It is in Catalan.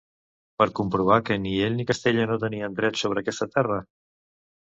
Per comprovar que ni ell ni Castella no tenien drets sobre aquesta terra?